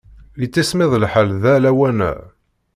Yettismiḍ lḥal da lawan-a.